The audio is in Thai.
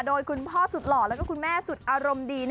โดยคุณพ่อสุดหล่อแล้วก็คุณแม่สุดอารมณ์ดี